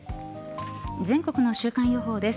全国の週間予報です。